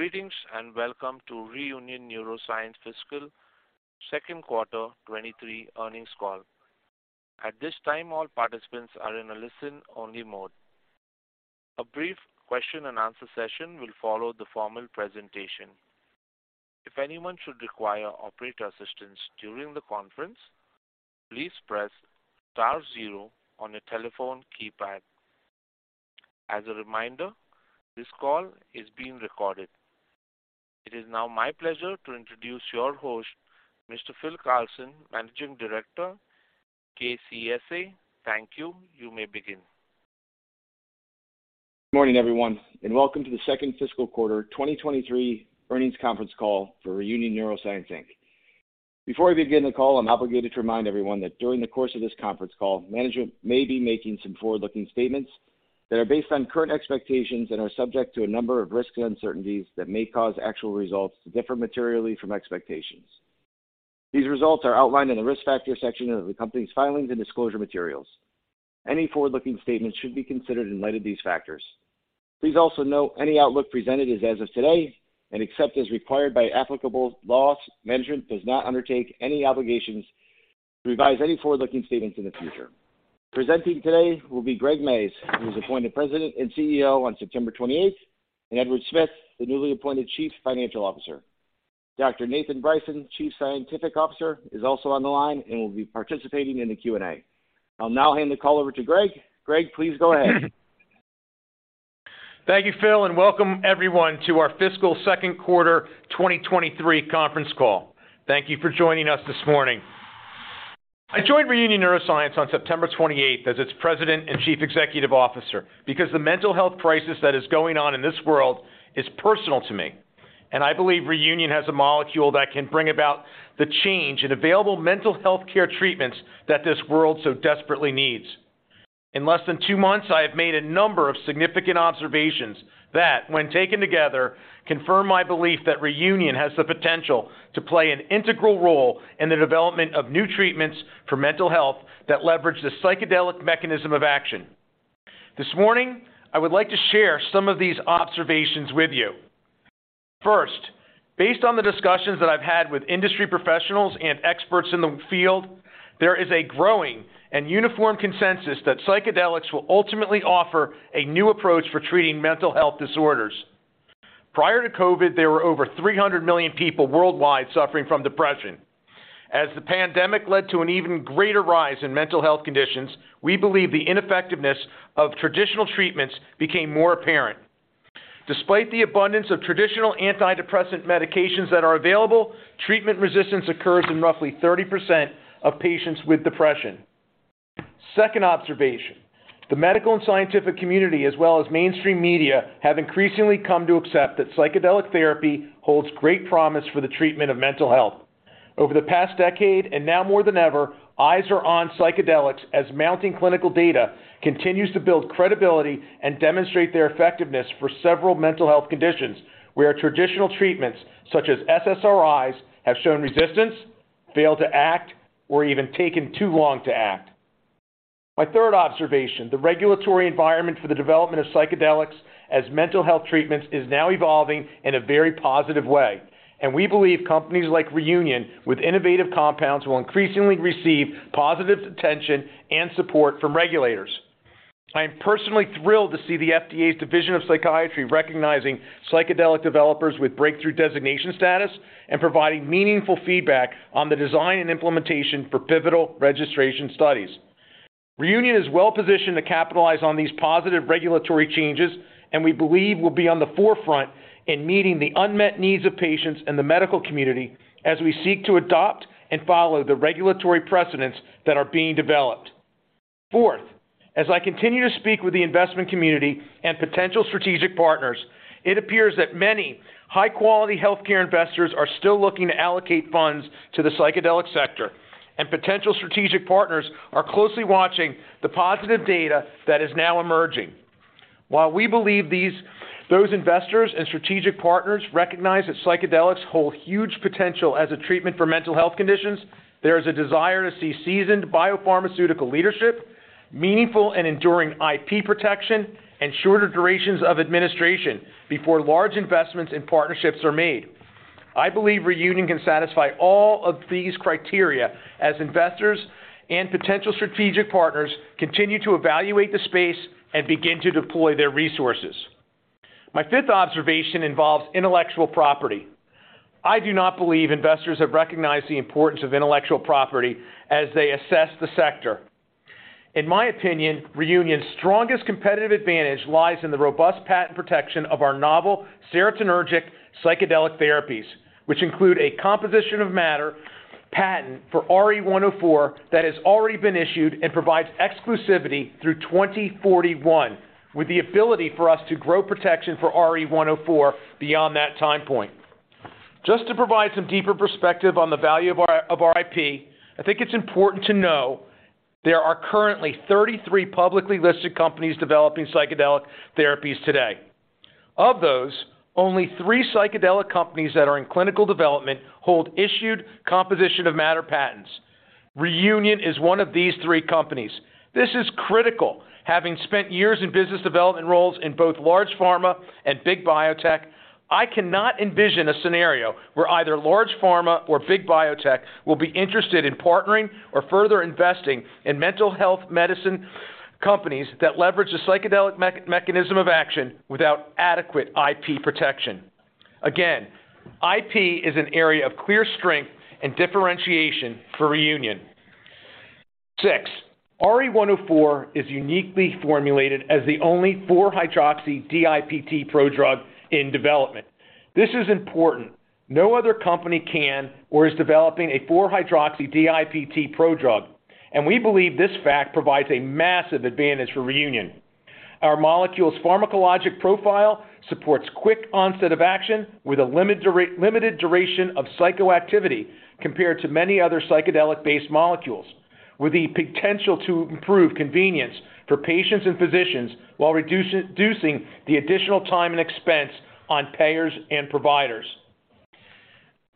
Greetings, and welcome to Reunion Neuroscience Fiscal Second Quarter 2023 Earnings Call. At this time, all participants are in a listen-only mode. A brief question-and-answer session will follow the formal presentation. If anyone should require operator assistance during the conference, please press star zero on your telephone keypad. As a reminder, this call is being recorded. It is now my pleasure to introduce your host, Mr. Phil Carlson, Managing Director, KCSA. Thank you. You may begin. Morning, everyone, and welcome to the Second Fiscal Quarter 2023 Earnings Conference Call for Reunion Neuroscience Inc. Before I begin the call, I'm obligated to remind everyone that during the course of this conference call, management may be making some forward-looking statements that are based on current expectations and are subject to a number of risks and uncertainties that may cause actual results to differ materially from expectations. These results are outlined in the Risk Factors section of the company's filings and disclosure materials. Any forward-looking statements should be considered in light of these factors. Please also note any outlook presented is as of today, and except as required by applicable laws, management does not undertake any obligations to revise any forward-looking statements in the future. Presenting today will be Greg Mayes, who was appointed President and CEO on September 28th, and Edward Smith, the newly appointed Chief Financial Officer. Dr. Nathan Bryson, Chief Scientific Officer, is also on the line and will be participating in the Q&A. I'll now hand the call over to Greg. Greg, please go ahead. Thank you, Phil, and welcome everyone to our fiscal second quarter 2023 conference call. Thank you for joining us this morning. I joined Reunion Neuroscience on September 28th as its President and Chief Executive Officer because the mental health crisis that is going on in this world is personal to me, and I believe Reunion has a molecule that can bring about the change in available mental health care treatments that this world so desperately needs. In less than two months, I have made a number of significant observations that, when taken together, confirm my belief that Reunion has the potential to play an integral role in the development of new treatments for mental health that leverage the psychedelic mechanism of action. This morning, I would like to share some of these observations with you. First, based on the discussions that I've had with industry professionals and experts in the field, there is a growing and uniform consensus that psychedelics will ultimately offer a new approach for treating mental health disorders. Prior to COVID, there were over 300 million people worldwide suffering from depression. As the pandemic led to an even greater rise in mental health conditions, we believe the ineffectiveness of traditional treatments became more apparent. Despite the abundance of traditional antidepressant medications that are available, treatment resistance occurs in roughly 30% of patients with depression. Second observation, the medical and scientific community, as well as mainstream media, have increasingly come to accept that psychedelic therapy holds great promise for the treatment of mental health. Over the past decade, and now more than ever, eyes are on psychedelics as mounting clinical data continues to build credibility and demonstrate their effectiveness for several mental health conditions where traditional treatments such as SSRIs have shown resistance, failed to act, or even taken too long to act. My third observation, the regulatory environment for the development of psychedelics as mental health treatments is now evolving in a very positive way, and we believe companies like Reunion with innovative compounds will increasingly receive positive attention and support from regulators. I am personally thrilled to see the FDA's Division of Psychiatry recognizing psychedelic developers with breakthrough designation status and providing meaningful feedback on the design and implementation for pivotal registration studies. Reunion is well positioned to capitalize on these positive regulatory changes, and we believe we'll be on the forefront in meeting the unmet needs of patients and the medical community as we seek to adopt and follow the regulatory precedents that are being developed. Fourth, as I continue to speak with the investment community and potential strategic partners, it appears that many high-quality healthcare investors are still looking to allocate funds to the psychedelic sector, and potential strategic partners are closely watching the positive data that is now emerging. While we believe these, those investors and strategic partners recognize that psychedelics hold huge potential as a treatment for mental health conditions, there is a desire to see seasoned biopharmaceutical leadership, meaningful and enduring IP protection, and shorter durations of administration before large investments in partnerships are made. I believe Reunion can satisfy all of these criteria as investors and potential strategic partners continue to evaluate the space and begin to deploy their resources. My fifth observation involves intellectual property. I do not believe investors have recognized the importance of intellectual property as they assess the sector. In my opinion, Reunion's strongest competitive advantage lies in the robust patent protection of our novel serotonergic psychedelic therapies, which include a composition of matter patent for RE104 that has already been issued and provides exclusivity through 2041, with the ability for us to grow protection for RE104 beyond that time point. Just to provide some deeper perspective on the value of our IP, I think it's important to know there are currently 33 publicly listed companies developing psychedelic therapies today. Of those, only three psychedelic companies that are in clinical development hold issued composition of matter patents. Reunion is one of these three companies. This is critical. Having spent years in business development roles in both large pharma and big biotech, I cannot envision a scenario where either large pharma or big biotech will be interested in partnering or further investing in mental health medicine companies that leverage the psychedelic mechanism of action without adequate IP protection. Again, IP is an area of clear strength and differentiation for Reunion. Six, RE104 is uniquely formulated as the only 4-hydroxy-DiPT prodrug in development. This is important. No other company can or is developing a 4-hydroxy-DiPT prodrug, and we believe this fact provides a massive advantage for Reunion. Our molecule's pharmacologic profile supports quick onset of action with a limited duration of psychoactivity compared to many other psychedelic-based molecules, with the potential to improve convenience for patients and physicians while reducing the additional time and expense on payers and providers.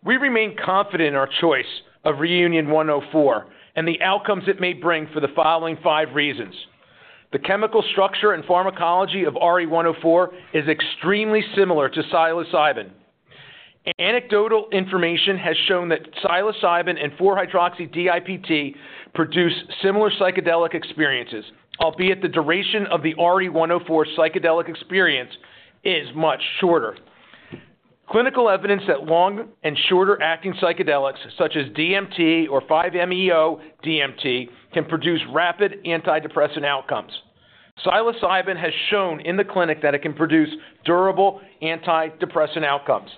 We remain confident in our choice of RE104 and the outcomes it may bring for the following five reasons. The chemical structure and pharmacology of RE104 is extremely similar to psilocybin. Anecdotal information has shown that psilocybin and 4-hydroxy-DiPT produce similar psychedelic experiences, albeit the duration of the RE104 psychedelic experience is much shorter. Clinical evidence that long and shorter acting psychedelics such as DMT or 5-MeO-DMT can produce rapid antidepressant outcomes. Psilocybin has shown in the clinic that it can produce durable antidepressant outcomes.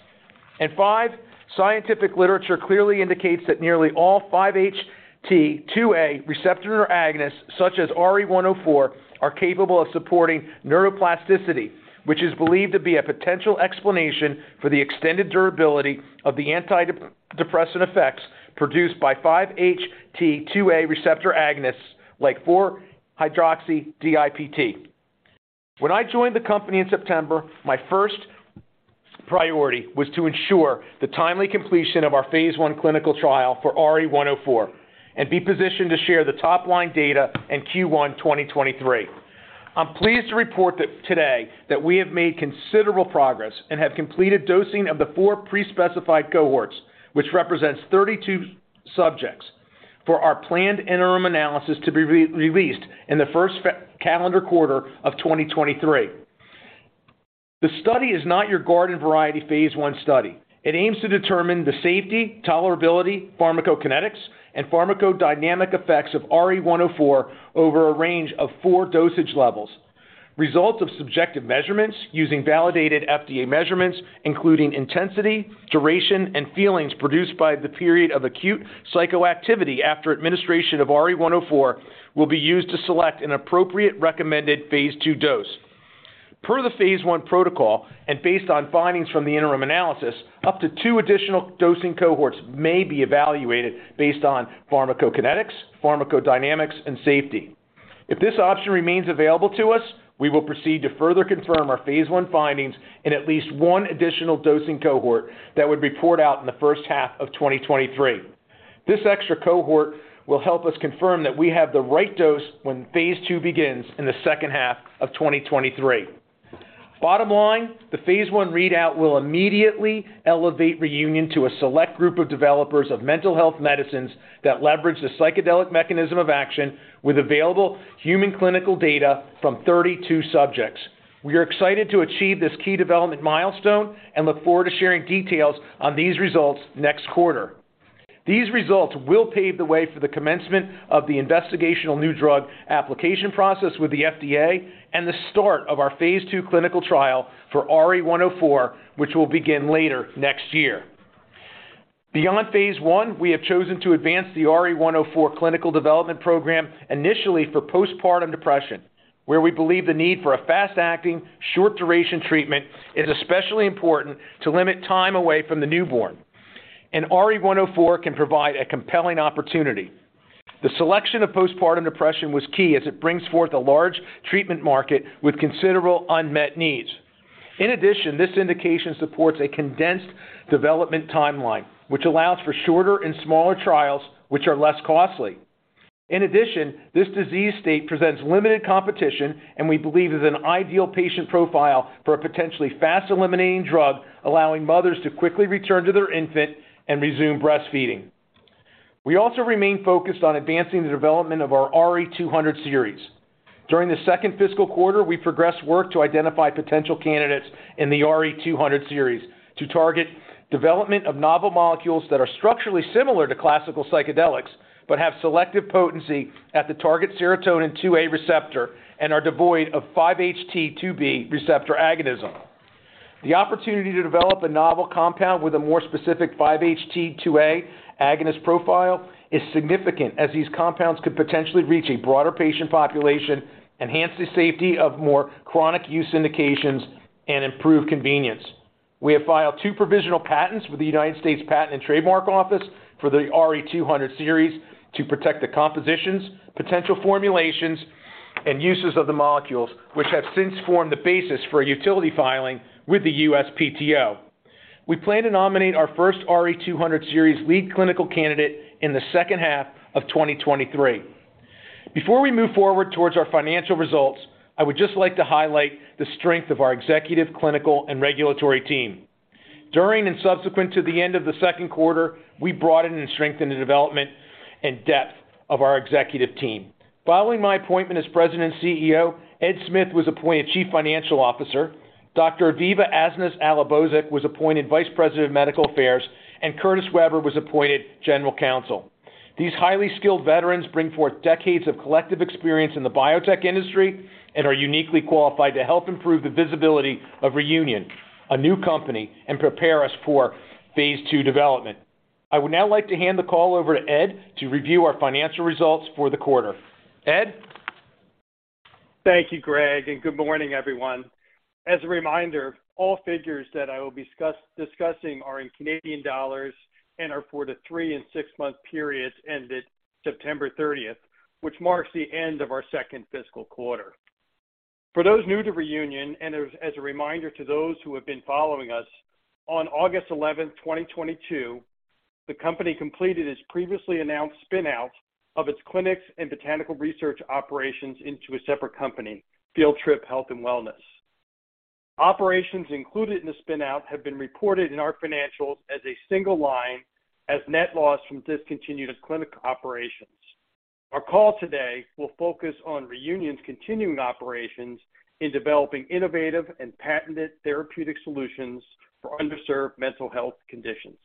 Five, scientific literature clearly indicates that nearly all 5-HT2A receptor agonists such as RE104 are capable of supporting neuroplasticity, which is believed to be a potential explanation for the extended durability of the antidepressant effects produced by 5-HT2A receptor agonists like 4-hydroxy-DiPT. When I joined the company in September, my first priority was to ensure the timely completion of our phase I clinical trial for RE104 and be positioned to share the top-line data in Q1 2023. I'm pleased to report that today, that we have made considerable progress and have completed dosing of the four pre-specified cohorts, which represents 32 subjects for our planned interim analysis to be released in the first calendar quarter of 2023. The study is not your garden variety phase I study. It aims to determine the safety, tolerability, pharmacokinetics, and pharmacodynamic effects of RE104 over a range of four dosage levels. Results of subjective measurements using validated FDA measurements, including intensity, duration, and feelings produced by the period of acute psychoactivity after administration of RE104 will be used to select an appropriate recommended phase II dose. Per the phase I protocol and based on findings from the interim analysis, up to two additional dosing cohorts may be evaluated based on pharmacokinetics, pharmacodynamics, and safety. If this option remains available to us, we will proceed to further confirm our phase I findings in at least one additional dosing cohort that would be rolled out in the first half of 2023. This extra cohort will help us confirm that we have the right dose when phase II begins in the second half of 2023. Bottom line, the phase I readout will immediately elevate Reunion to a select group of developers of mental health medicines that leverage the psychedelic mechanism of action with available human clinical data from 32 subjects. We are excited to achieve this key development milestone and look forward to sharing details on these results next quarter. These results will pave the way for the commencement of the investigational new drug application process with the FDA and the start of our phase II clinical trial for RE104, which will begin later next year. Beyond phase I, we have chosen to advance the RE104 clinical development program initially for postpartum depression, where we believe the need for a fast-acting, short-duration treatment is especially important to limit time away from the newborn, and RE104 can provide a compelling opportunity. The selection of postpartum depression was key as it brings forth a large treatment market with considerable unmet needs. In addition, this indication supports a condensed development timeline, which allows for shorter and smaller trials which are less costly. In addition, this disease state presents limited competition and we believe is an ideal patient profile for a potentially fast eliminating drug, allowing mothers to quickly return to their infant and resume breastfeeding. We also remain focused on advancing the development of our RE200 series. During the second fiscal quarter, we progressed work to identify potential candidates in the RE200 series to target development of novel molecules that are structurally similar to classical psychedelics, but have selective potency at the target serotonin 2A receptor and are devoid of 5-HT2B receptor agonism. The opportunity to develop a novel compound with a more specific 5-HT2A agonist profile is significant as these compounds could potentially reach a broader patient population, enhance the safety of more chronic use indications, and improve convenience. We have filed two provisional patents with the United States Patent and Trademark Office for the RE200 series to protect the compositions, potential formulations and uses of the molecules, which have since formed the basis for a utility filing with the USPTO. We plan to nominate our first RE200 series lead clinical candidate in the second half of 2023. Before we move forward towards our financial results, I would just like to highlight the strength of our executive, clinical, and regulatory team. During and subsequent to the end of the second quarter, we brought in and strengthened the development and depth of our executive team. Following my appointment as President and CEO, Ed Smith was appointed Chief Financial Officer. Dr. Aviva Asnis-Alibozek was appointed Vice President of Medical Affairs, and Curtis Weber was appointed General Counsel. These highly skilled veterans bring forth decades of collective experience in the biotech industry and are uniquely qualified to help improve the visibility of Reunion, a new company, and prepare us for phase II development. I would now like to hand the call over to Ed to review our financial results for the quarter. Ed? Thank you, Greg, and good morning, everyone. As a reminder, all figures that I will discuss are in Canadian dollars and are for the three and six month periods ended September 30th, which marks the end of our second fiscal quarter. For those new to Reunion, and as a reminder to those who have been following us, on August 11th, 2022, the company completed its previously announced spin-out of its clinics and botanical research operations into a separate company, Field Trip Health & Wellness. Operations included in the spin-out have been reported in our financials as a single line as net loss from discontinued clinic operations. Our call today will focus on Reunion's continuing operations in developing innovative and patented therapeutic solutions for underserved mental health conditions.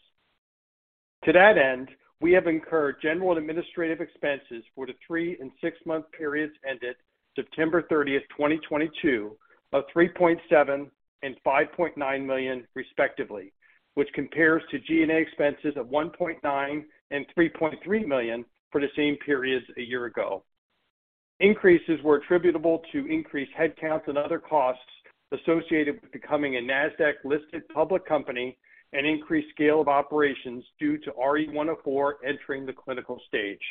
To that end, we have incurred general and administrative expenses for the three and six month periods ended September 30th, 2022, of 3.7 million and 5.9 million, respectively, which compares to G&A expenses of 1.9 million and 3.3 million for the same periods a year ago. Increases were attributable to increased headcounts and other costs associated with becoming a Nasdaq-listed public company and increased scale of operations due to RE104 entering the clinical stage.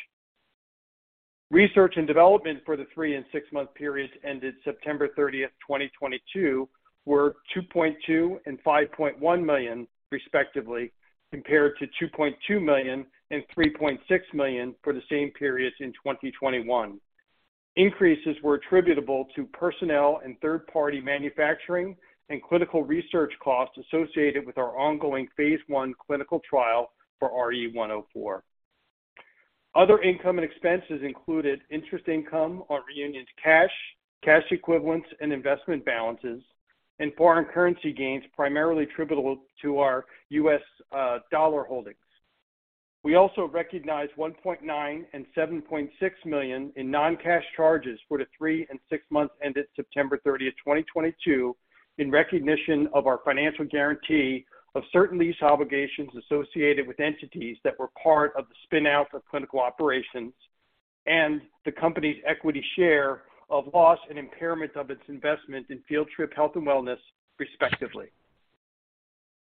Research and development for the three and six month periods ended September 30th, 2022, were 2.2 million and 5.1 million, respectively, compared to 2.2 million and 3.6 million for the same periods in 2021. Increases were attributable to personnel and third-party manufacturing and clinical research costs associated with our ongoing phase I clinical trial for RE104. Other income and expenses included interest income on Reunion's cash equivalents, and investment balances, and foreign currency gains primarily attributable to our U.S. dollar holdings. We also recognized 1.9 million and 7.6 million in non-cash charges for the three and six months ended September 30th, 2022, in recognition of our financial guarantee of certain lease obligations associated with entities that were part of the spin-out of clinical operations and the company's equity share of loss and impairment of its investment in Field Trip Health & Wellness, respectively.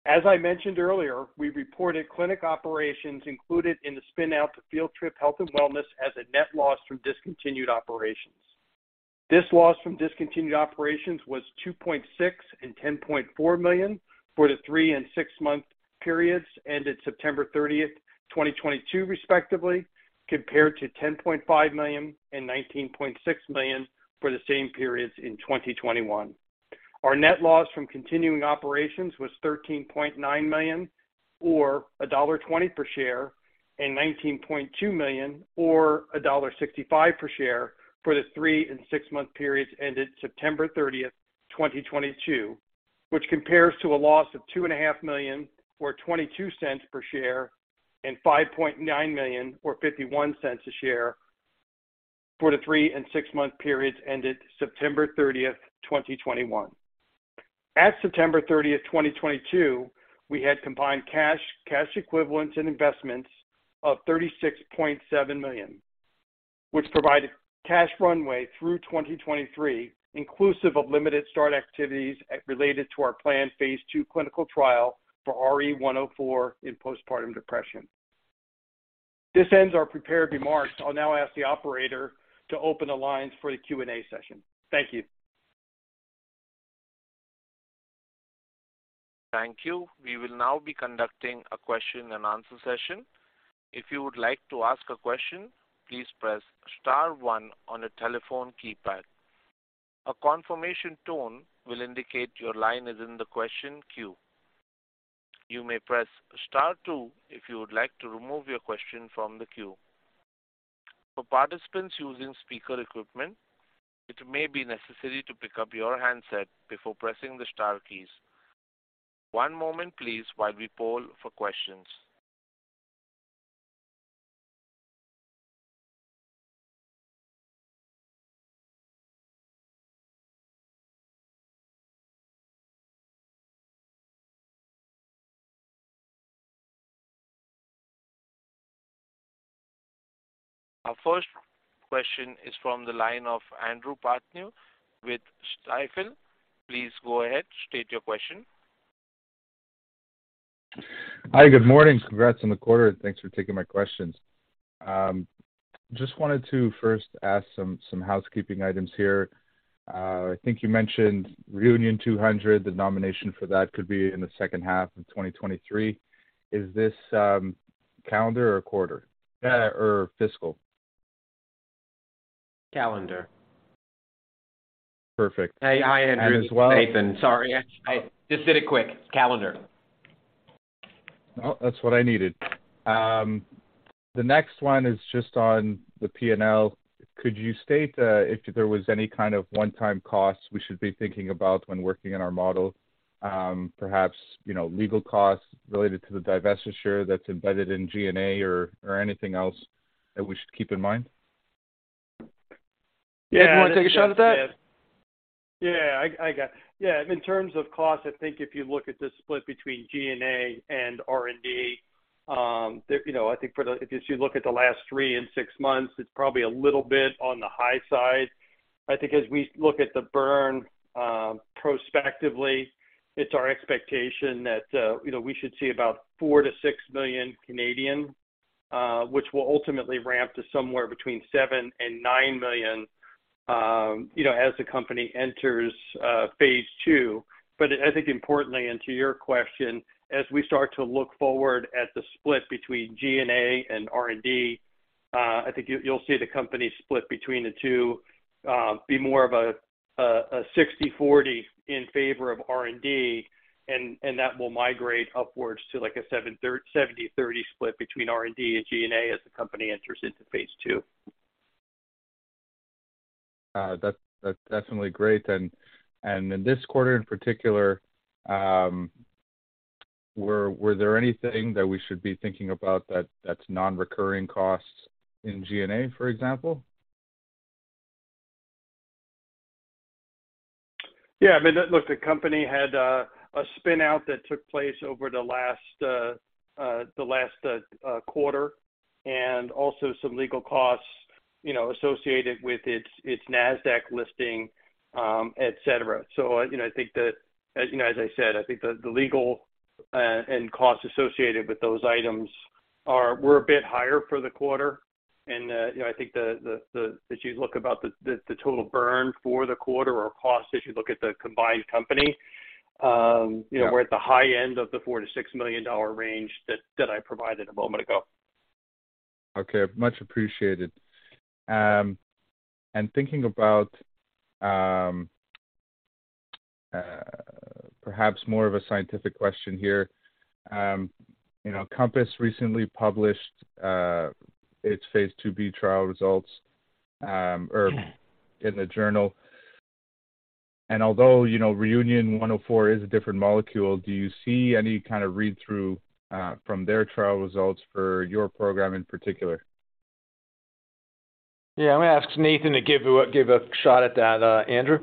As I mentioned earlier, we reported clinic operations included in the spin-out to Field Trip Health & Wellness as a net loss from discontinued operations. This loss from discontinued operations was 2.6 million and 10.4 million for the three and six-month periods ended September 30th, 2022, respectively, compared to 10.5 million and 19.6 million for the same periods in 2021. Our net loss from continuing operations was 13.9 million or dollar 1.20 per share and 19.2 million or dollar 1.65 per share for the three and six-month periods ended September 30th, 2022, which compares to a loss of 2.5 million or 0.22 per share and 5.9 million or 0.51 a share for the three and six-month periods ended September 30th, 2021. At September 30th, 2022, we had combined cash equivalents, and investments of 36.7 million, which provided cash runway through 2023, inclusive of limited start activities related to our planned phase II clinical trial for RE104 in postpartum depression. This ends our prepared remarks. I'll now ask the operator to open the lines for the Q&A session. Thank you. Thank you. We will now be conducting a question-and-answer session. If you would like to ask a question, please press star one on your telephone keypad. A confirmation tone will indicate your line is in the question queue. You may press star two if you would like to remove your question from the queue. For participants using speaker equipment, it may be necessary to pick up your handset before pressing the star keys. One moment, please, while we poll for questions. Our first question is from the line of Andrew Partheniou with Stifel. Please go ahead, state your question. Hi, good morning. Congrats on the quarter, and thanks for taking my questions. Just wanted to first ask some housekeeping items here. I think you mentioned RE200, the nomination for that could be in the second half of 2023. Is this calendar or quarter or fiscal? Calendar. Perfect. Hey. Hi, Andrew. And as well- It's Nathan. Sorry. I just did it quick. Calendar. No, that's what I needed. The next one is just on the P&L. Could you state if there was any kind of one-time costs we should be thinking about when working on our model, perhaps, you know, legal costs related to the divestiture that's embedded in G&A or anything else that we should keep in mind? Yeah. Do you wanna take a shot at that? In terms of costs, I think if you look at the split between G&A and R&D, you know, I think if you look at the last three and six months, it's probably a little bit on the high side. I think as we look at the burn, prospectively, it's our expectation that, you know, we should see about 4 million-6 million, which will ultimately ramp to somewhere between 7 million-9 million, you know, as the company enters phase II. I think importantly, and to your question, as we start to look forward at the split between G&A and R&D, I think you'll see the company split between the two be more of a 60/40 in favor of R&D, and that will migrate upwards to, like, a 70/30 split between R&D and G&A as the company enters into phase II. That's definitely great. In this quarter in particular, were there anything that we should be thinking about that's non-recurring costs in G&A, for example? Yeah. I mean, look, the company had a spin out that took place over the last quarter and also some legal costs, you know, associated with its Nasdaq listing, et cetera. As you know, as I said, I think the legal and costs associated with those items were a bit higher for the quarter. You know, I think the total burn for the quarter or cost as you look at the combined company, you know. Yeah We're at the high end of the 4 million-6 million dollar range that I provided a moment ago. Okay. Much appreciated. Thinking about perhaps more of a scientific question here, you know, Compass recently published its phase IIB trial results or in the journal. Although, you know, RE104 is a different molecule, do you see any kind of read-through from their trial results for your program in particular? Yeah. I'm gonna ask Nathan to give a shot at that, Andrew.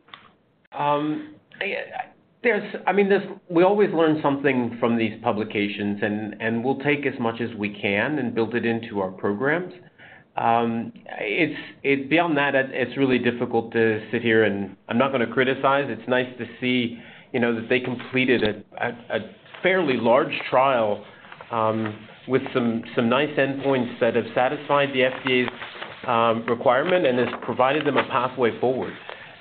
We always learn something from these publications, and we'll take as much as we can and build it into our programs. Beyond that, it's really difficult to sit here and I'm not gonna criticize. It's nice to see, you know, that they completed a fairly large trial with some nice endpoints that have satisfied the FDA's requirement and has provided them a pathway forward.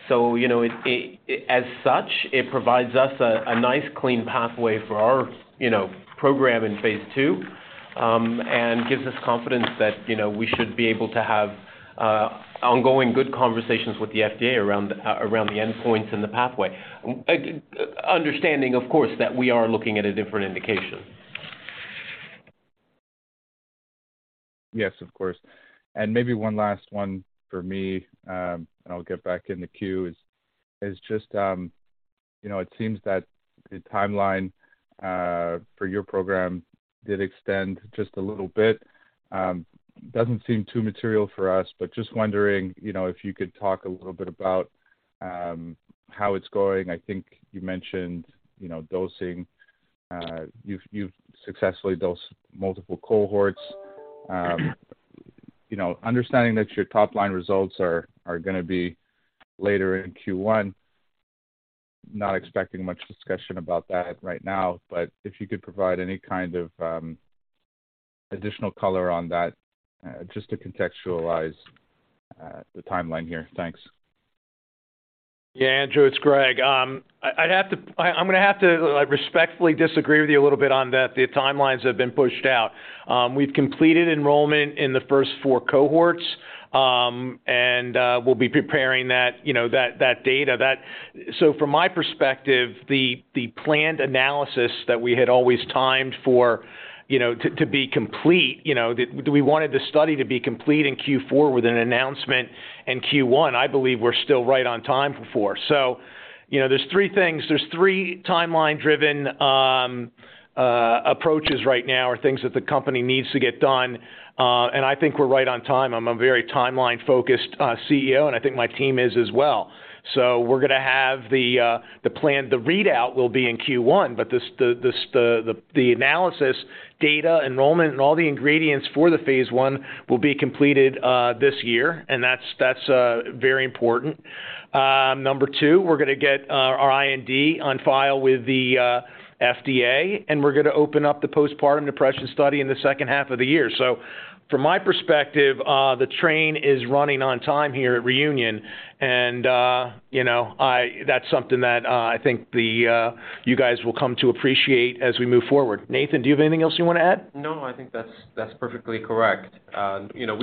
You know, as such, it provides us a nice clean pathway for our, you know, program in phase II and gives us confidence that, you know, we should be able to have ongoing good conversations with the FDA around the endpoints and the pathway. Understanding, of course, that we are looking at a different indication. Yes, of course. Maybe one last one for me, and I'll get back in the queue, is just, you know, it seems that the timeline for your program did extend just a little bit. Doesn't seem too material for us, but just wondering, you know, if you could talk a little bit about how it's going. I think you mentioned, you know, dosing. You've successfully dosed multiple cohorts. You know, understanding that your top-line results are gonna be later in Q1, not expecting much discussion about that right now. If you could provide any kind of additional color on that just to contextualize the timeline here. Thanks. Yeah. Andrew, it's Greg. I'm gonna have to respectfully disagree with you a little bit on that, the timelines have been pushed out. We've completed enrollment in the first four cohorts, and we'll be preparing that, you know, that data. From my perspective, the planned analysis that we had always timed for, you know, to be complete, you know, the study to be complete in Q4 with an announcement in Q1. I believe we're still right on time for Q4. You know, there are three timeline-driven approaches right now or things that the company needs to get done, and I think we're right on time. I'm a very timeline-focused CEO, and I think my team is as well. We're gonna have the plan. The readout will be in Q1, but the analysis, data, enrollment, and all the ingredients for the phase I will be completed this year, and that's very important. Number two, we're gonna get our IND on file with the FDA, and we're gonna open up the postpartum depression study in the second half of the year. From my perspective, the train is running on time here at Reunion, and you know, that's something that I think you guys will come to appreciate as we move forward. Nathan, do you have anything else you wanna add? No, I think that's perfectly correct. You know,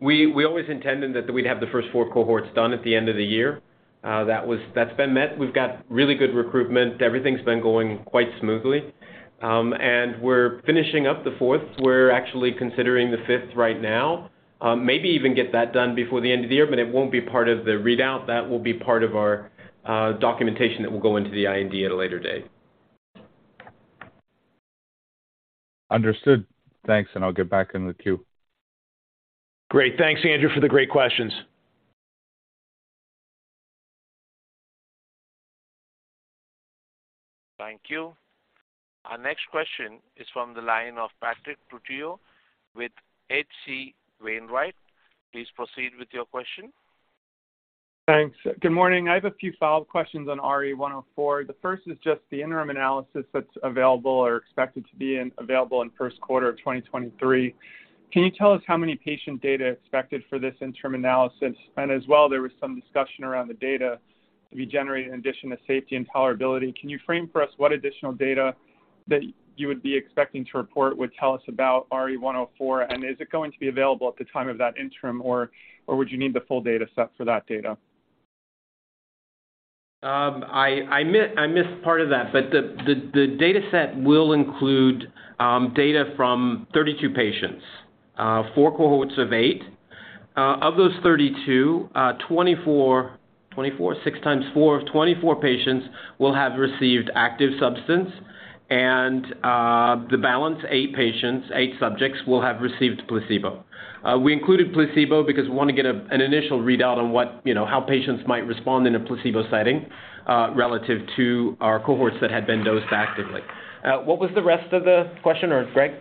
we always intended that we'd have the first four cohorts done at the end of the year. That's been met. We've got really good recruitment. Everything's been going quite smoothly. We're finishing up the fourth. We're actually considering the fifth right now, maybe even get that done before the end of the year, but it won't be part of the readout. That will be part of our documentation that will go into the IND at a later date. Understood. Thanks, and I'll get back in the queue. Great. Thanks, Andrew, for the great questions. Thank you. Our next question is from the line of Patrick Trucchio with H.C. Wainwright. Please proceed with your question. Thanks. Good morning. I have a few follow-up questions on RE104. The first is just the interim analysis that's expected to be available in first quarter of 2023. Can you tell us how many patient data expected for this interim analysis? And as well, there was some discussion around the data to be generated in addition to safety and tolerability. Can you frame for us what additional data that you would be expecting to report would tell us about RE104? And is it going to be available at the time of that interim, or would you need the full data set for that data? I missed part of that. The data set will include data from 32 patients, four cohorts of eight. Of those 32, 24 patients will have received active substance and the balance, eight subjects will have received placebo. We included placebo because we wanna get an initial readout on what, you know, how patients might respond in a placebo setting, relative to our cohorts that had been dosed actively. What was the rest of the question, or Greg?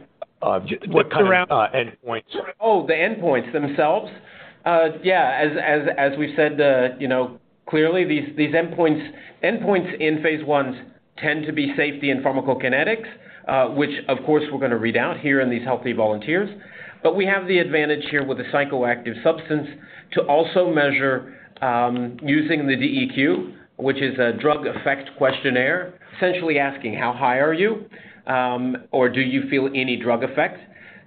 Just around. What kind of endpoints? Oh, the endpoints themselves. Yeah. As we've said, you know, clearly these endpoints in phase Is tend to be safety and pharmacokinetics, which of course we're gonna read out here in these healthy volunteers. We have the advantage here with a psychoactive substance to also measure using the DEQ, which is a drug effect questionnaire, essentially asking how high are you or do you feel any drug effect,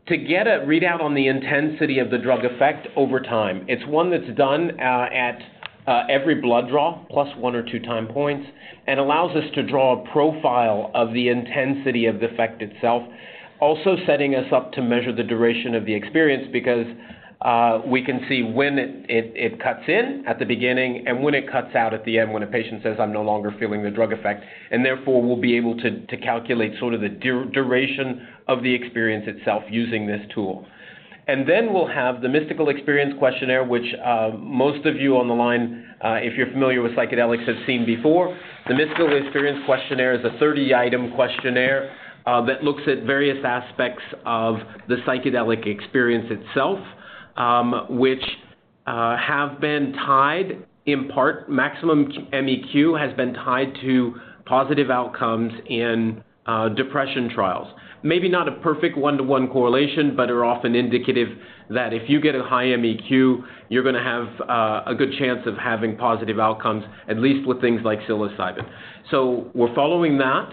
to get a readout on the intensity of the drug effect over time. It's one that's done at every blood draw +1 or 2 time points and allows us to draw a profile of the intensity of the effect itself. Also setting us up to measure the duration of the experience because we can see when it cuts in at the beginning and when it cuts out at the end when a patient says, "I'm no longer feeling the drug effect." Therefore, we'll be able to calculate sort of the duration of the experience itself using this tool. Then we'll have the Mystical Experience Questionnaire, which most of you on the line if you're familiar with psychedelics have seen before. The Mystical Experience Questionnaire is a 30-item questionnaire that looks at various aspects of the psychedelic experience itself, which have been tied in part maximum MEQ has been tied to positive outcomes in depression trials. Maybe not a perfect one-to-one correlation, but are often indicative that if you get a high MEQ, you're gonna have a good chance of having positive outcomes, at least with things like psilocybin. We're following that.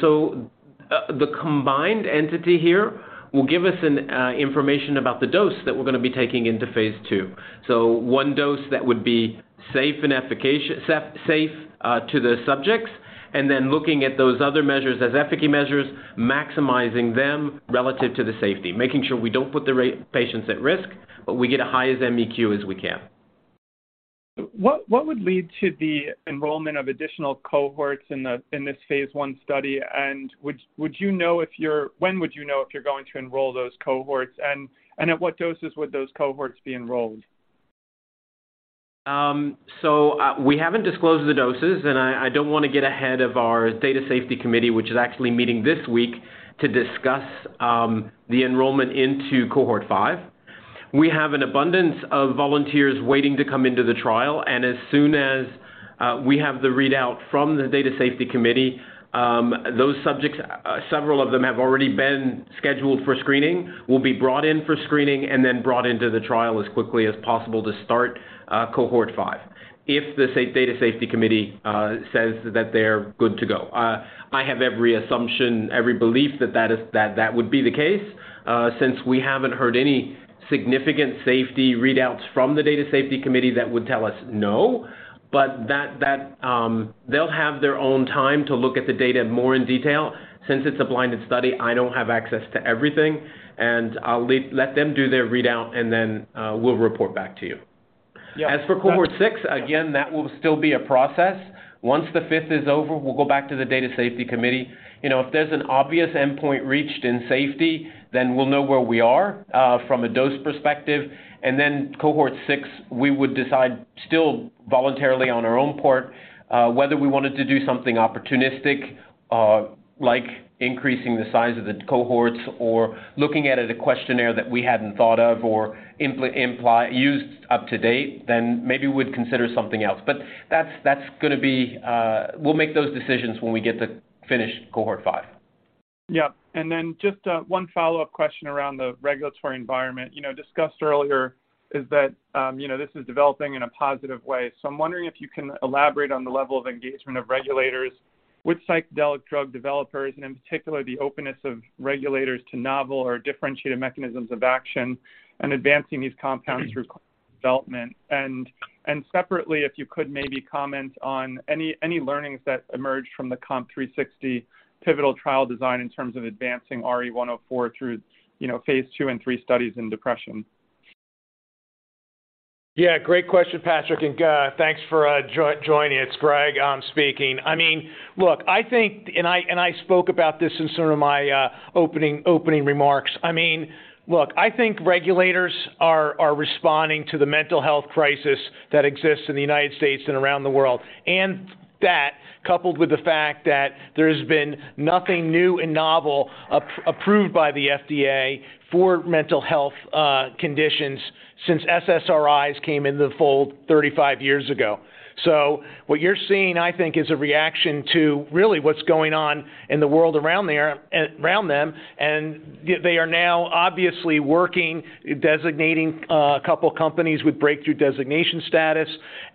The combined entity here will give us an information about the dose that we're gonna be taking into phase II. One dose that would be safe and safe to the subjects, and then looking at those other measures as efficacy measures, maximizing them relative to the safety, making sure we don't put the patients at risk, but we get as high as MEQ as we can. What would lead to the enrollment of additional cohorts in this phase I study? When would you know if you're going to enroll those cohorts? At what doses would those cohorts be enrolled? We haven't disclosed the doses, and I don't wanna get ahead of our data safety committee, which is actually meeting this week to discuss the enrollment into cohort five. We have an abundance of volunteers waiting to come into the trial, and as soon as we have the readout from the data safety committee, those subjects, several of them have already been scheduled for screening, will be brought in for screening, and then brought into the trial as quickly as possible to start cohort five, if the data safety committee says that they're good to go. I have every assumption, every belief that that would be the case, since we haven't heard any significant safety readouts from the data safety committee that would tell us no. But that. They'll have their own time to look at the data more in detail. Since it's a blinded study, I don't have access to everything, and I'll let them do their readout, and then, we'll report back to you. Yeah. As for cohort 6, again, that will still be a process. Once the fifth is over, we'll go back to the data safety committee. You know, if there's an obvious endpoint reached in safety, then we'll know where we are from a dose perspective. Cohort 6, we would decide still voluntarily on our own part whether we wanted to do something opportunistic like increasing the size of the cohorts or looking at a questionnaire that we hadn't thought of or used up-to-date, then maybe we'd consider something else. That's gonna be. We'll make those decisions when we get to finished cohort 5. Yeah. Just one follow-up question around the regulatory environment. You know, discussed earlier is that you know this is developing in a positive way. I'm wondering if you can elaborate on the level of engagement of regulators with psychedelic drug developers and in particular the openness of regulators to novel or differentiated mechanisms of action and advancing these compounds through development. Separately, if you could maybe comment on any learnings that emerged from the COMP360 pivotal trial design in terms of advancing RE104 through you know phase II and III studies in depression. Yeah. Great question, Patrick, and thanks for joining. It's Greg speaking. I mean, look, I think and I spoke about this in some of my opening remarks. I mean, look, I think regulators are responding to the mental health crisis that exists in the U.S. and around the world. That coupled with the fact that there has been nothing new and novel approved by the FDA for mental health conditions since SSRIs came into the fold 35 years ago. What you're seeing, I think, is a reaction to really what's going on in the world around them, and they are now obviously working designating a couple companies with breakthrough designation status.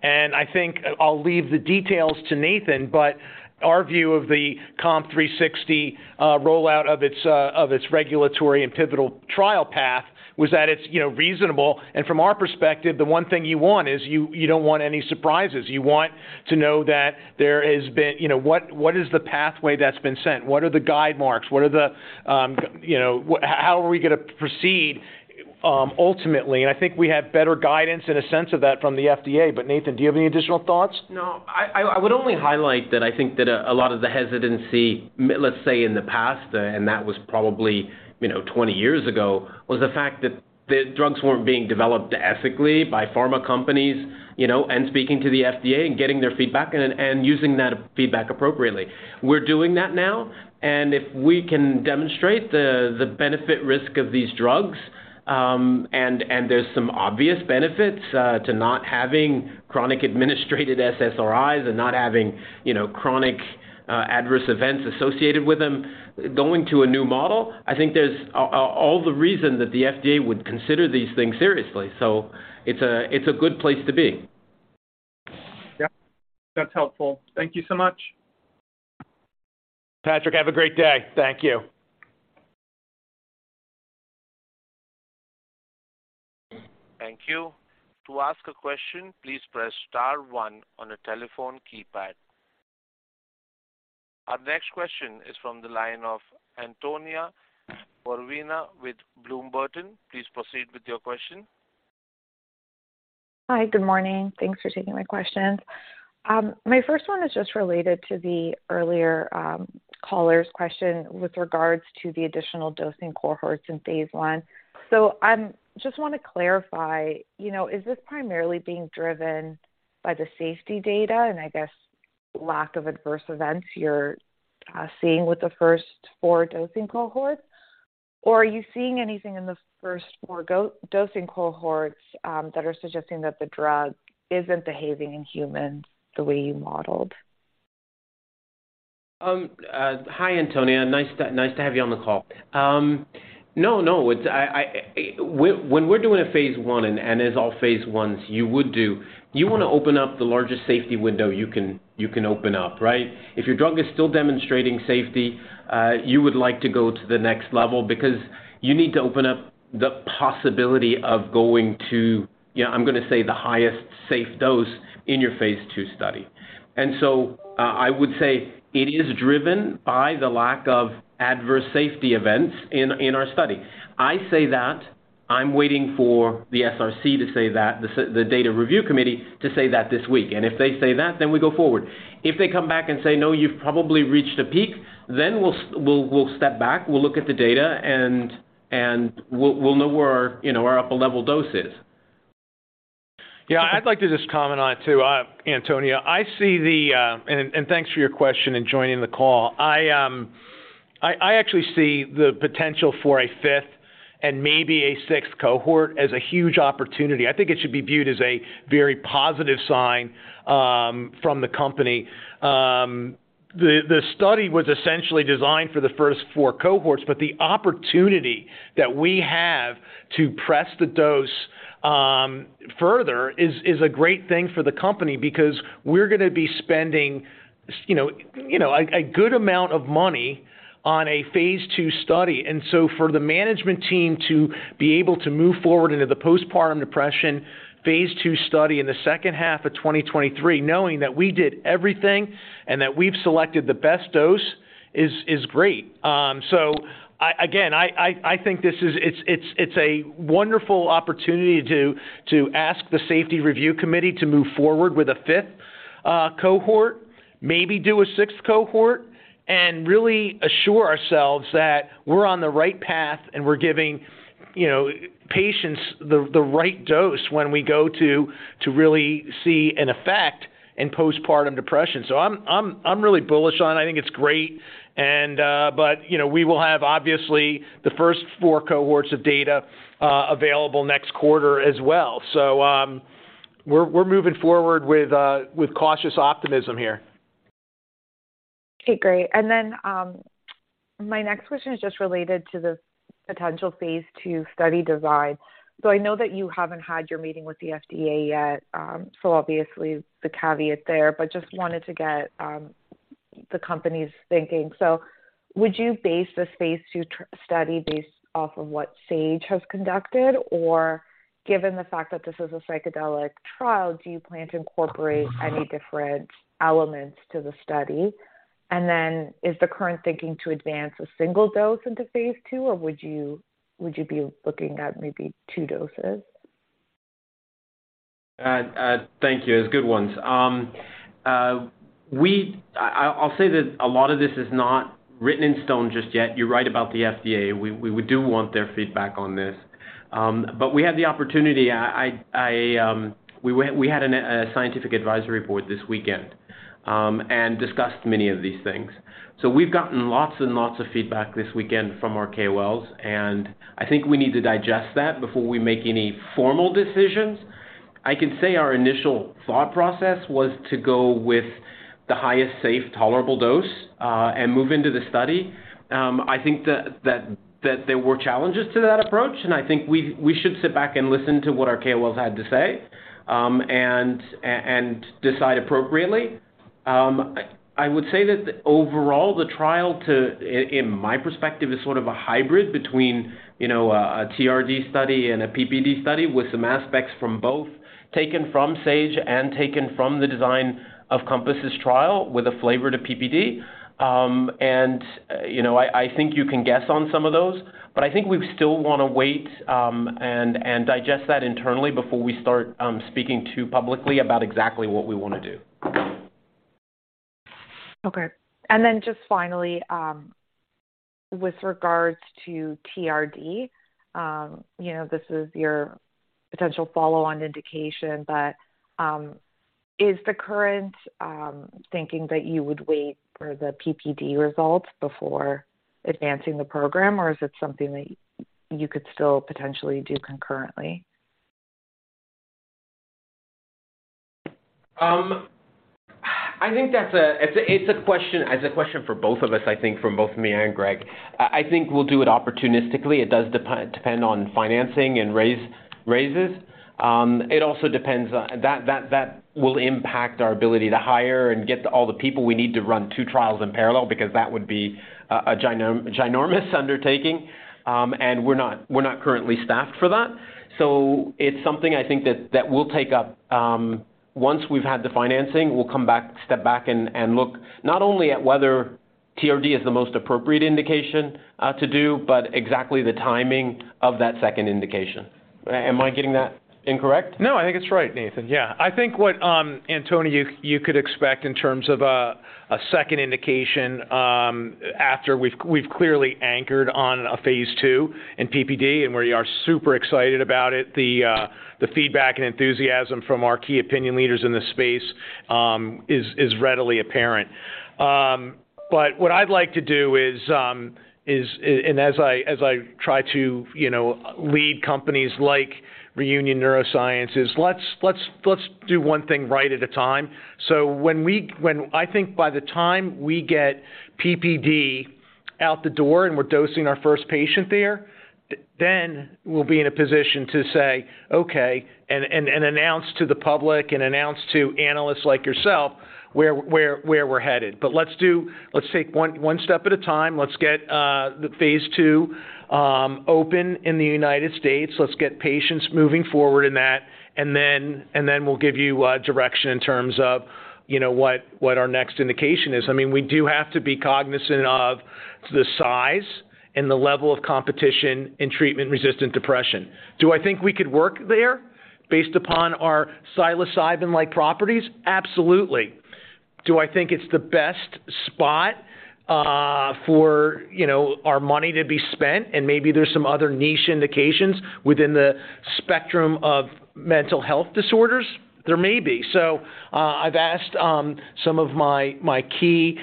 I think I'll leave the details to Nathan, but our view of the COMP360 rollout of its regulatory and pivotal trial path was that it's, you know, reasonable. From our perspective, the one thing you want is you don't want any surprises. You want to know that there has been, you know, what is the pathway that's been set? You know, how are we gonna proceed ultimately? I think we have better guidance and a sense of that from the FDA. Nathan, do you have any additional thoughts? No. I would only highlight that I think that a lot of the hesitancy, let's say in the past, and that was probably, you know, 20 years ago, was the fact that the drugs weren't being developed ethically by pharma companies, you know, and speaking to the FDA and getting their feedback and using that feedback appropriately. We're doing that now, and if we can demonstrate the benefit risk of these drugs, and there's some obvious benefits to not having chronic administered SSRIs and not having, you know, chronic adverse events associated with them going to a new model. I think there's all the reason that the FDA would consider these things seriously. It's a good place to be. Yeah. That's helpful. Thank you so much. Patrick, have a great day. Thank you. Thank you. To ask a question, please press star one on your telephone keypad. Our next question is from the line of Antonia Borovina with Bloom Burton. Please proceed with your question. Hi. Good morning. Thanks for taking my questions. My first one is just related to the earlier caller's question with regards to the additional dosing cohorts in phase I. I just want to clarify, you know, is this primarily being driven by the safety data and I guess lack of adverse events you're seeing with the first four dosing cohorts, or are you seeing anything in the first four dosing cohorts that are suggesting that the drug isn't behaving in humans the way you modeled? Hi, Antonia. Nice to have you on the call. When we're doing a phase I and as all phase Is you would do, you wanna open up the largest safety window you can open up, right? If your drug is still demonstrating safety, you would like to go to the next level because you need to open up the possibility of going to, you know, I'm gonna say the highest safe dose in your phase II study. I would say it is driven by the lack of adverse safety events in our study. I say that I'm waiting for the DSMC to say that, the Data and Safety Monitoring Committee to say that this week. If they say that, then we go forward. If they come back and say, "No, you've probably reached a peak," then we'll step back, we'll look at the data and we'll know where, you know, our upper level dose is. Yeah. I'd like to just comment on it too, Antonia. Thanks for your question and joining the call. I actually see the potential for a fifth and maybe a sixth cohort as a huge opportunity. I think it should be viewed as a very positive sign from the company. The study was essentially designed for the first four cohorts, but the opportunity that we have to press the dose further is a great thing for the company because we're gonna be spending you know a good amount of money on a phase II study. For the management team to be able to move forward into the postpartum depression phase II study in the second half of 2023, knowing that we did everything and that we've selected the best dose is great. I think this is a wonderful opportunity to ask the safety review committee to move forward with a fifth cohort, maybe do a sixth cohort, and really assure ourselves that we're on the right path and we're giving you know, patients the right dose when we go to really see an effect in postpartum depression. I'm really bullish on it. I think it's great, but you know, we will have obviously the first four cohorts of data available next quarter as well. We're moving forward with cautious optimism here. Okay, great. My next question is just related to the potential phase II study design. I know that you haven't had your meeting with the FDA yet, so obviously the caveat there, but just wanted to get the company's thinking. Would you base this phase II study based off of what Sage has conducted? Or given the fact that this is a psychedelic trial, do you plan to incorporate any different elements to the study? Is the current thinking to advance a single dose into phase II, or would you be looking at maybe two doses? Thank you. It's good ones. I'll say that a lot of this is not written in stone just yet. You're right about the FDA. We do want their feedback on this. We had the opportunity. We had a scientific advisory board this weekend and discussed many of these things. We've gotten lots and lots of feedback this weekend from our KOLs, and I think we need to digest that before we make any formal decisions. I can say our initial thought process was to go with the highest safe tolerable dose and move into the study. I think that there were challenges to that approach, and I think we should sit back and listen to what our KOLs had to say and decide appropriately. I would say that overall the trial in my perspective is sort of a hybrid between a TRD study and a PPD study with some aspects from both taken from Sage and taken from the design of Compass's trial with a flavor to PPD. I think you can guess on some of those, but I think we still wanna wait and digest that internally before we start speaking too publicly about exactly what we wanna do. Okay. Just finally, with regards to TRD, you know, this is your potential follow-on indication, but is the current thinking that you would wait for the PPD results before advancing the program, or is it something that you could still potentially do concurrently? I think it's a question for both of us, I think for both me and Greg. I think we'll do it opportunistically. It does depend on financing and raises. It also depends on that will impact our ability to hire and get all the people we need to run two trials in parallel, because that would be a ginormous undertaking. We're not currently staffed for that. It's something I think that we'll take up once we've had the financing. We'll come back, step back and look not only at whether TRD is the most appropriate indication to do, but exactly the timing of that second indication. Am I getting that incorrect? No, I think it's right, Nathan. Yeah. I think what, Antonia, you could expect in terms of a second indication after we've clearly anchored on a phase II in PPD and we are super excited about it. The feedback and enthusiasm from our key opinion leaders in this space is readily apparent. What I'd like to do is as I try to, you know, lead companies like Reunion Neuroscience, let's do one thing right at a time. I think by the time we get PPD out the door and we're dosing our first patient there, then we'll be in a position to say, "Okay," and announce to the public and announce to analysts like yourself where we're headed. Let's take one step at a time. Let's get the phase II open in the U.S. Let's get patients moving forward in that, and then we'll give you direction in terms of, you know, what our next indication is. I mean, we do have to be cognizant of the size and the level of competition in treatment-resistant depression. Do I think we could work there based upon our psilocybin-like properties? Absolutely. Do I think it's the best spot, for, you know, our money to be spent and maybe there's some other niche indications within the spectrum of mental health disorders? There may be. I've asked some of my key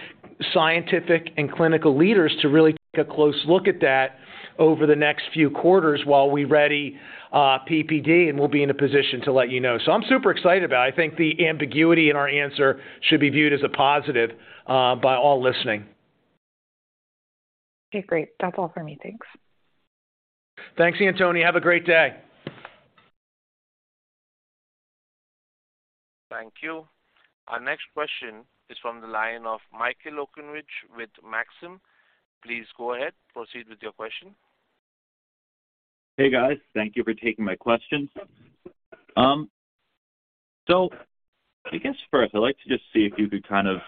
scientific and clinical leaders to really take a close look at that over the next few quarters while we ready PPD, and we'll be in a position to let you know. I'm super excited about it. I think the ambiguity in our answer should be viewed as a positive by all listening. Okay, great. That's all for me. Thanks. Thanks, Antonia. Have a great day. Thank you. Our next question is from the line of Michael Okunewitch with Maxim. Please go ahead, proceed with your question. Hey, guys. Thank you for taking my question. I guess first I'd like to just see if you could kind of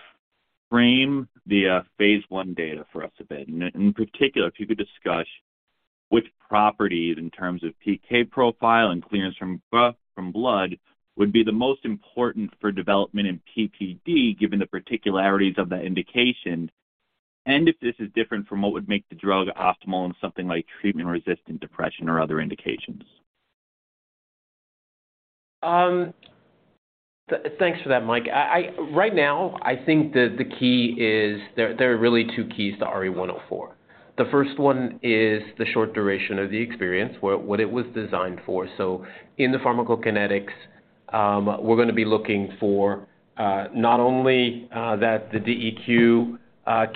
frame the phase I data for us a bit. In particular, if you could discuss which properties in terms of PK profile and clearance from blood would be the most important for development in PPD, given the particularities of the indication, and if this is different from what would make the drug optimal in something like treatment-resistant depression or other indications. Thanks for that, Mike. Right now, I think that the key is. There are really two keys to RE104. The first one is the short duration of the experience, what it was designed for. In the pharmacokinetics, we're gonna be looking for, not only, that the DEQ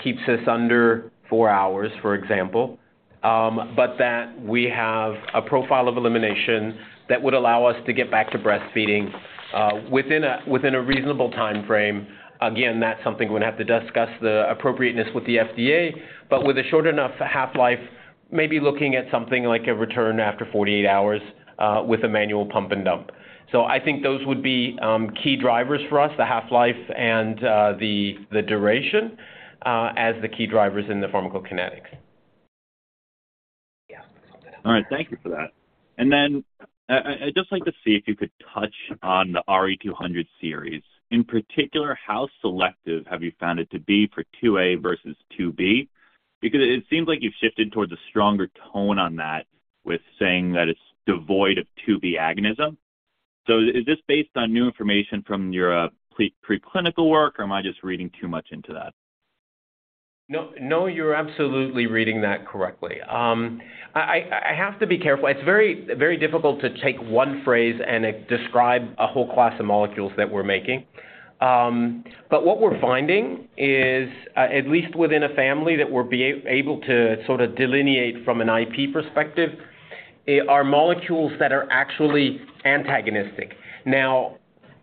keeps us under four hours, for example, but that we have a profile of elimination that would allow us to get back to breastfeeding, within a reasonable timeframe. Again, that's something we're gonna have to discuss the appropriateness with the FDA. With a short enough half-life, maybe looking at something like a return after 48 hours, with a manual pump and dump. I think those would be key drivers for us, the half-life and the duration as the key drivers in the pharmacokinetics. All right. Thank you for that. I'd just like to see if you could touch on the RE200 series. In particular, how selective have you found it to be for 2A versus 2B? Because it seems like you've shifted towards a stronger tone on that with saying that it's devoid of 2B agonism. Is this based on new information from your preclinical work, or am I just reading too much into that? No, no, you're absolutely reading that correctly. I have to be careful. It's very difficult to take one phrase and to describe a whole class of molecules that we're making. But what we're finding is, at least within a family that we're able to sort of delineate from an IP perspective, are molecules that are actually antagonistic. Now,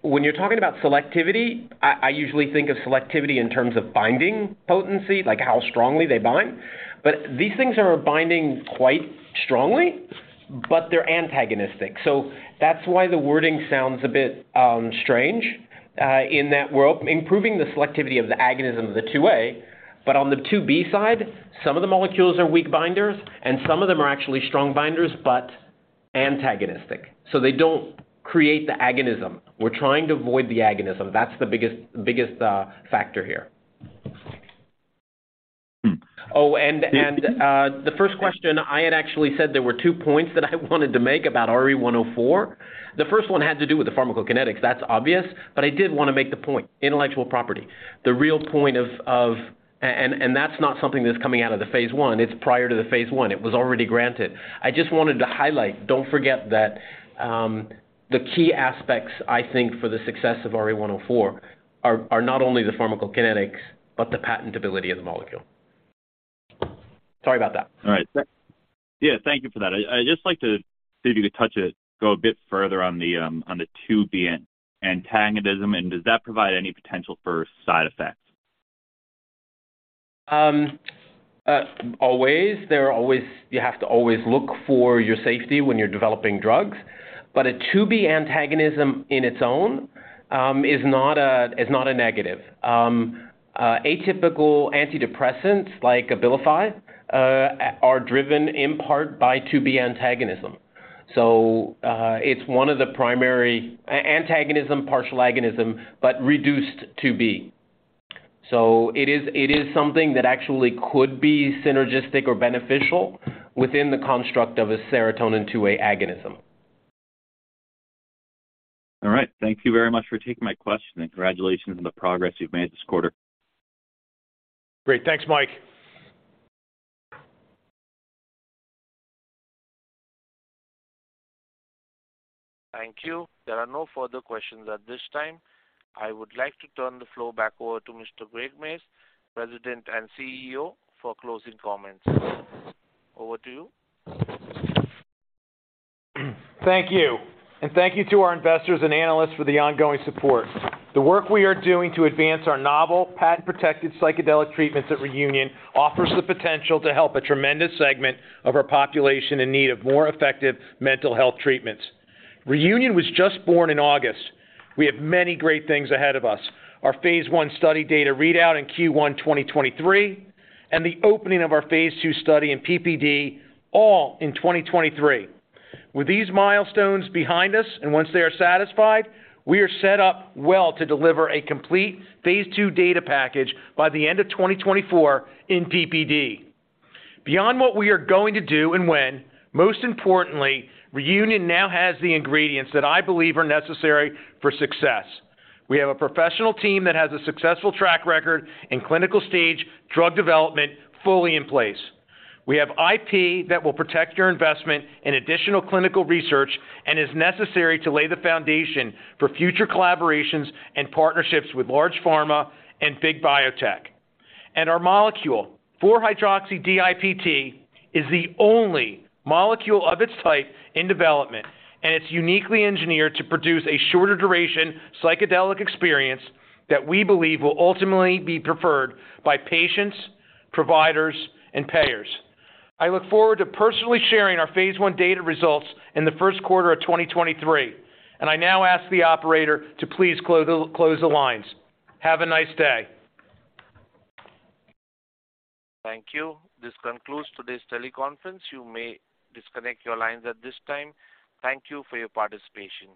when you're talking about selectivity, I usually think of selectivity in terms of binding potency, like how strongly they bind. But these things are binding quite strongly, but they're antagonistic. So that's why the wording sounds a bit strange, in that we're improving the selectivity of the agonism of the 2A. But on the 2B side, some of the molecules are weak binders, and some of them are actually strong binders, but antagonistic. So they don't create the agonism. We're trying to avoid the agonism. That's the biggest factor here. Hmm. The first question, I had actually said there were two points that I wanted to make about RE104. The first one had to do with the pharmacokinetics. That's obvious. I did wanna make the point, intellectual property. The real point is that that's not something that's coming out of the phase I. It was already granted. I just wanted to highlight, don't forget that, the key aspects, I think, for the success of RE104 are not only the pharmacokinetics, but the patentability of the molecule. Sorry about that. All right. Yeah, thank you for that. I just like to see if you could touch on it, go a bit further on the 5-HT2B antagonism, and does that provide any potential for side effects? Always. You have to always look for your safety when you're developing drugs. A 2B antagonism in its own is not a negative. Atypical antidepressants like Abilify are driven in part by 2B antagonism. It's one of the primary antagonism, partial agonism, but reduced 2B. It is something that actually could be synergistic or beneficial within the construct of a serotonin 2A agonism. All right. Thank you very much for taking my question, and congratulations on the progress you've made this quarter. Great. Thanks, Mike. Thank you. There are no further questions at this time. I would like to turn the floor back over to Mr. Greg Mayes, President and CEO, for closing comments. Over to you. Thank you. Thank you to our investors and analysts for the ongoing support. The work we are doing to advance our novel, patent-protected psychedelic treatments at Reunion offers the potential to help a tremendous segment of our population in need of more effective mental health treatments. Reunion was just born in August. We have many great things ahead of us. Our phase I study data readout in Q1 2023, and the opening of our phase II study in PPD all in 2023. With these milestones behind us and once they are satisfied, we are set up well to deliver a complete phase II data package by the end of 2024 in PPD. Beyond what we are going to do and when, most importantly, Reunion now has the ingredients that I believe are necessary for success. We have a professional team that has a successful track record in clinical stage drug development fully in place. We have IP that will protect your investment in additional clinical research and is necessary to lay the foundation for future collaborations and partnerships with large pharma and big biotech. Our molecule, 4-hydroxy-DiPT, is the only molecule of its type in development, and it's uniquely engineered to produce a shorter duration psychedelic experience that we believe will ultimately be preferred by patients, providers, and payers. I look forward to personally sharing our phase I data results in the first quarter of 2023. I now ask the operator to please close the lines. Have a nice day. Thank you. This concludes today's teleconference. You may disconnect your lines at this time. Thank you for your participation.